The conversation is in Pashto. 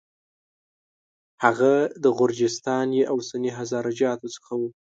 هغه د غرجستان یا اوسني هزاره جاتو څخه و.